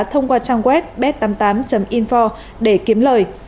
thông qua trang web bet tám mươi tám info để kiếm lời